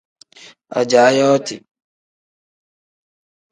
Ajaa yooti.